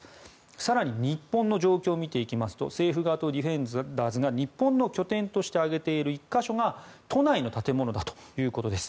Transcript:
更に日本の状況見ていきますとセーフガード・ディフェンダーズが日本の拠点として挙げている１か所が都内の建物だということです。